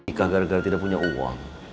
ika gara gara tidak punya uang